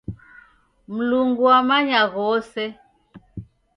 Mlungu wamanya ghose.